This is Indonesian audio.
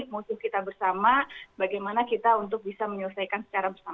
musuh kita bersama bagaimana kita untuk bisa menyelesaikan secara bersama